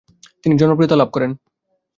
তিনি জনপ্রিয়তা লাভ করেন।